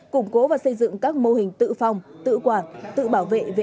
củng cố và xây dựng các mô hình tự phòng tự quản tự bảo vệ